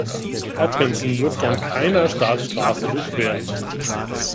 Atkinson wird von keiner Staatsstraße durchquert.